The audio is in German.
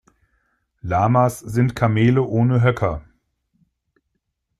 Lamas sind Kamele ohne Höcker.